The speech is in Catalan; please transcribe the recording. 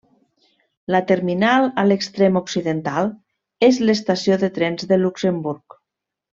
La terminal a l'extrem occidental és l'estació de trens de Luxemburg.